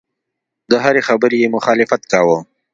د هرې خبرې یې مخالفت کاوه.